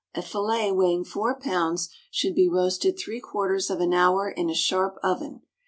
A fillet weighing four pounds should be roasted three quarters of an hour in a sharp oven.